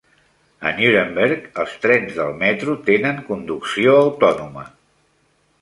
A Nuremberg els trens del metro tenen conducció autònoma.